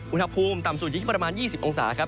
อุณหภูมิต่ำสุดอยู่ที่ประมาณ๒๐องศาครับ